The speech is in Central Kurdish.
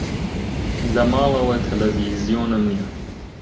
لە ماڵەوە تەلەڤیزیۆنم نییە.